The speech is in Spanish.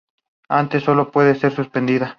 Antes sólo puede ser suspendida.